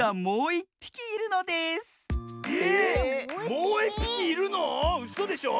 もういっぴきいるの⁉うそでしょ。